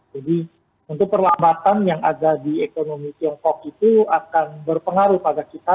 jadi untuk perlambatan yang ada di ekonomi tiongkok itu akan berpengaruh pada kita